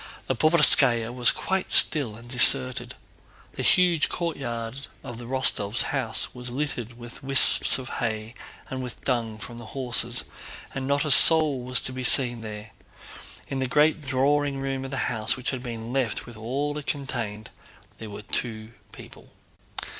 The Povarskáya was quite still and deserted. The huge courtyard of the Rostóvs' house was littered with wisps of hay and with dung from the horses, and not a soul was to be seen there. In the great drawing room of the house, which had been left with all it contained, were two people.